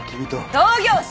同業者！？